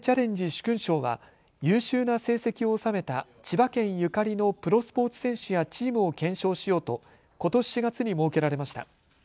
殊勲賞は優秀な成績を収めた千葉県ゆかりのプロスポーツ選手やチームを顕彰しようと、ことし４月に設けられました。